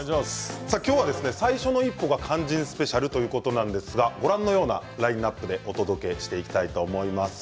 今日は最初の一歩が肝心スペシャルということなんですがご覧のようなラインナップでお届けしていきたいと思います。